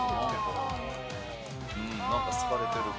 なんか好かれてる。